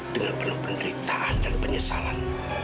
dengan penuh penderitaan dan penyesalan